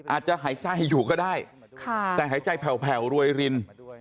อาจจะหายใจอยู่ก็ได้แต่หายใจแผ่วรวยริน